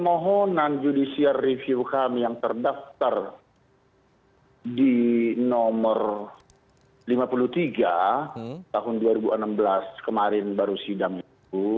mohonan judicial review kami yang terdaftar di nomor lima puluh tiga tahun dua ribu enam belas kemarin baru sidang itu